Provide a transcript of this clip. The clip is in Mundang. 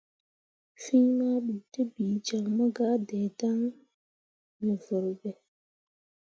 Fîi maduutǝbiijaŋ mo gah dai dan me vurɓe.